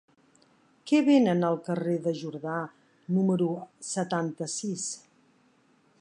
Què venen al carrer de Jordà número setanta-sis?